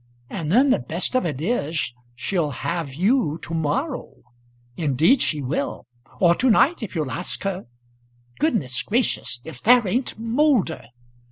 And then, the best of it is, she'll have you to morrow. Indeed she will; or to night, if you'll ask her. Goodness gracious! if there ain't Moulder!"